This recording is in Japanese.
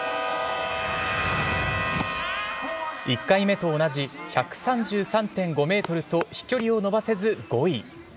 １回目と同じ１３３．５ｍと飛距離を伸ばせず５位。